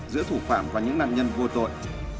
giữa thủ phạm và những nạn nhân vô tội